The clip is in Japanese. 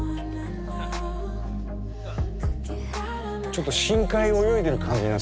ちょっと深海泳いでる感じに。